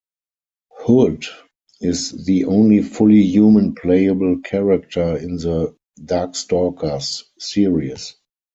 Hood is the only fully human playable character in the "Darkstalkers" series.